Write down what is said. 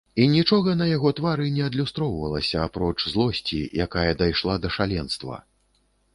І нічога на яго твары не адлюстравалася, апроч злосці, якая дайшла да шаленства.